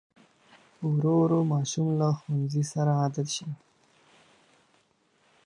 ورو ورو ماشوم له ښوونځي سره عادت شي.